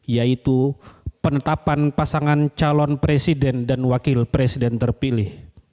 yaitu penetapan pasangan calon presiden dan wakil presiden terpilih